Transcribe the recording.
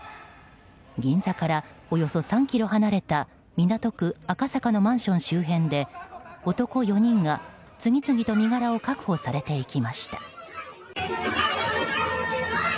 銀座からおよそ３ｋｍ離れた港区赤坂のマンション周辺で男４人が次々と身柄を確保されていきました。